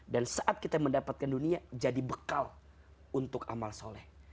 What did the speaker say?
dan saat kita mendapatkan dunia jadi bekal untuk amal soleh